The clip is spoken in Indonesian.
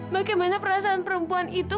bagaimana perasaan perempuan itu